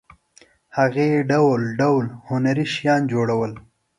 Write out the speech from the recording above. هغې ډول ډول هنري شیان جوړول.